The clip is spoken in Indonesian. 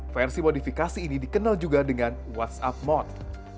versi modifikasi ini dikenal juga dengan whatsapp mod